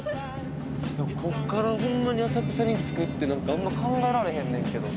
でもこっからホンマに浅草に着くって何かあんま考えられへんねんけど。